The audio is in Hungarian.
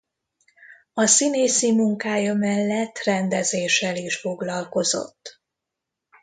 A színészi munkája mellett rendezéssel is foglalkozott.